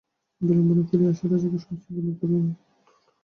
বিল্বন ফিরিয়া আসিয়া রাজাকে সমস্ত বিবরণ বলিলেন।